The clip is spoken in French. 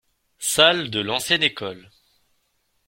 Salles de l’ancienne école.